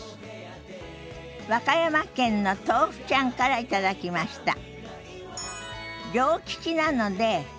和歌山県のとうふちゃんから頂きました。